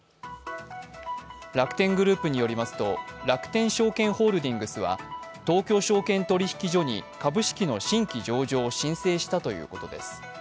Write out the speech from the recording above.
楽天グループによりますと楽天証券ホールディングスは東京証券取引所に株式の新規上場を申請したということです。